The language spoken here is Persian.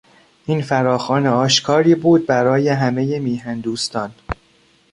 این فراخوان آشکاری بود برای همهی میهن دوستان.